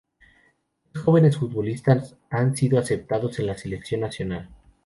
Tres jóvenes futbolistas han sido aceptados en la selección nacional.